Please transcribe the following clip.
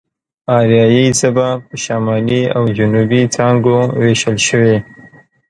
آريايي ژبه په شمالي او جنوبي څانگو وېشل شوې.